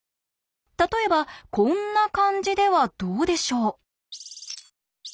例えばこんな感じではどうでしょう？